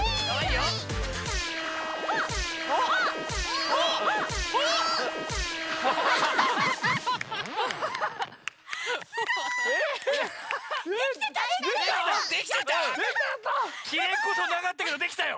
やったやった！キレこそなかったけどできたよ。